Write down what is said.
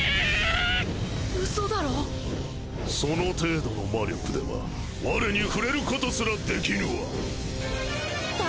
ウソだろその程度の魔力ではわれに触れることすらできぬわ誰？